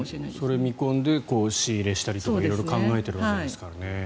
それを見込んで仕入れしたりとか色々考えているわけですからね。